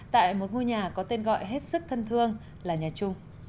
tại một ngôi nhà có tên gọi hết sức thân thương là nhà trung